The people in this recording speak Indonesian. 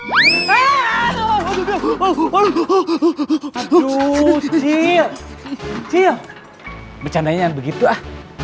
aduh cil cil bercandanya begitu ah